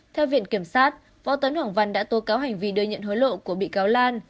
theo viện kiểm sát võ tấn hoàng văn đã tố cáo hành vi đưa nhận hối lộ của bị cáo lan